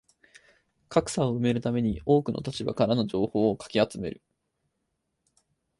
格差を埋めるために多くの立場からの情報をかき集める